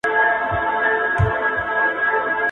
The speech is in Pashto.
د کافي زینک لرونکي خواړو نه خوړل د کموالي لامل کېږي.